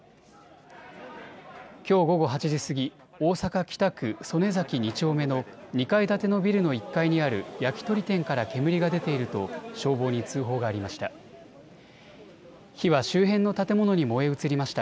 きょう午後８時過ぎ大阪・北区曽根崎２丁目の２階建てのビルの１階にある焼き鳥店から煙が出ていると消防に通報がありました。